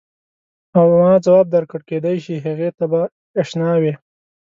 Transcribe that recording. او ما ځواب درکړ کېدای شي هغې ته به ته اشنا وې.